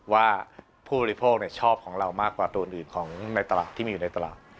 ว่าผู้บริโภคชอบของเรามากกว่าตัวอื่นของในตลาดที่มีอยู่ในตลาด